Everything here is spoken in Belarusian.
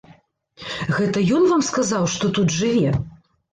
Гэта ён вам сказаў, што тут жыве?